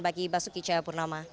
bagi basuki coyapurnama